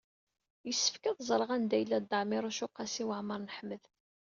Yessefk ad ẓreɣ anda yella Dda Ɛmiiruc u Qasi Waɛmer n Ḥmed.